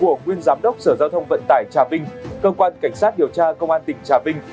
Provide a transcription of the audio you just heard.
của nguyên giám đốc sở giao thông vận tải trà vinh cơ quan cảnh sát điều tra công an tỉnh trà vinh